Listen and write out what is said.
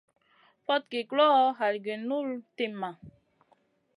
Fogki guloʼo, halgi guʼ nul timma.